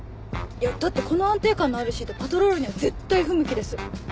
だってこの安定感のあるシートパトロールには絶対不向きです。